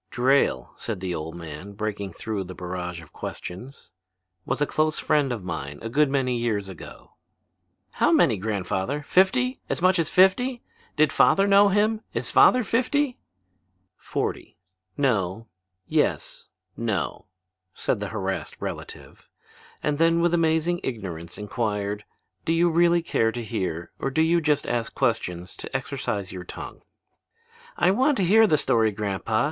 "Drayle," said the old man, breaking through the barrage of questions, "was a close friend of mine a good many years ago." "How many, grandfather? Fifty? As much as fifty? Did father know him? Is father fifty?" "Forty; no; yes; no," said the harassed relative; and then with amazing ignorance inquired: "Do you really care to hear or do you just ask questions to exercise your tongue?" "I want to hear the story, grandpa.